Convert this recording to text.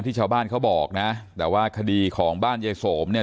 ชาวบ้านเขาบอกนะแต่ว่าคดีของบ้านยายโสมเนี่ย